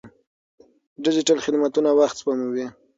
ډیجیټل خدمتونه وخت سپموي.